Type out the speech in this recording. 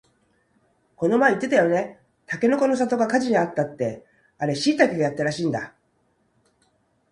この前言ってたよね、たけのこの里が火事にあったってあれしいたけがやったらしいんだ